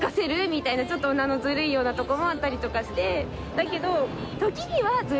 だけど。